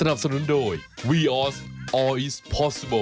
อ่ะเดี๋ยวมาเล่า